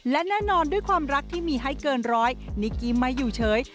และแน่นอนด้วยความรักที่มีให้เกินร้อยนิกกี้ไม่อยู่เฉย